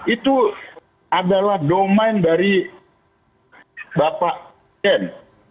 itu adalah domain dari bapak presiden